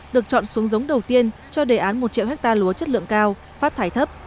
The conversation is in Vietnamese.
được chọn xuống giống đầu tiên cho đề án một triệu hectare lúa chất lượng cao phát thải thấp